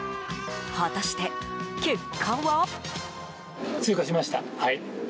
果たして結果は？